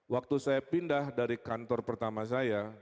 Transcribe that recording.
waktu saya pindah dari kantor pertama saya